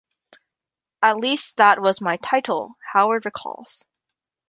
"At least that was my title," Howard recalls.